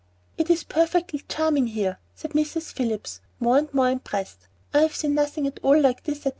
"It is perfectly charming here," said Mrs. Phillips, more and more impressed. "I have seen nothing at all like this at the West."